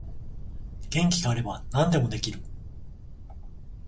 元気があれば何でもできる